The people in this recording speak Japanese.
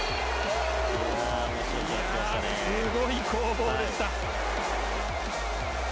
すごい攻防でした。